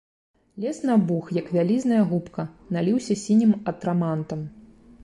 Лес набух, як вялізная губка, наліўся сінім атрамантам.